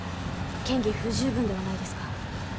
嫌疑不十分ではないですか？